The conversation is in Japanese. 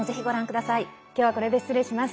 今日は、これで失礼します。